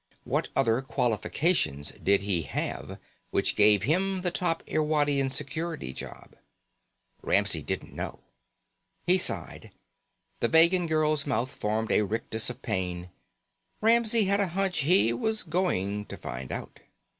What other qualifications did he have which gave him the top Irwadian Security job? Ramsey didn't know. He sighed. The Vegan girl's mouth formed a rictus of pain. Ramsey had a hunch he was going to find out.